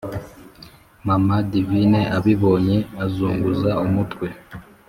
mama divine abibonye azunguza umutwe,